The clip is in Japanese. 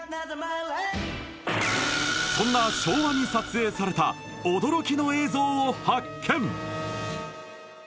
そんな昭和に撮影された驚きの映像を発見